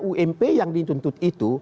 ump yang dituntut itu